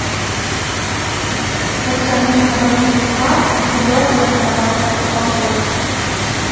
Падцягнуўся на балючых руках і лёгка перамахнуў у пакой.